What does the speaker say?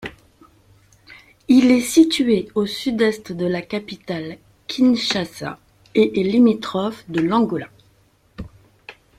Il est situé au sud-est de la capitale Kinshasa et est limitrophe de l'Angola.